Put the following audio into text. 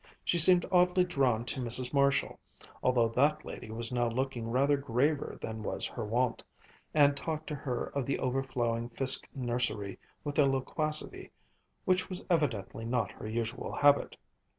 She seemed oddly drawn to Mrs. Marshall, although that lady was now looking rather graver than was her wont, and talked to her of the overflowing Fiske nursery with a loquacity which was evidently not her usual habit.